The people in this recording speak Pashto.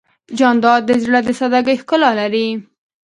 جانداد د زړه د سادګۍ ښکلا لري.